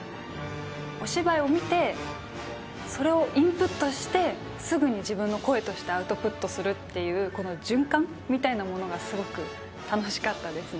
お芝居を見て、それをインプットして、すぐに自分の声としてアウトプットするっていう、この循環みたいなものがすごく楽しかったですね。